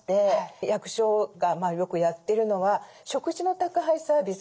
役所がよくやってるのは食事の宅配サービス。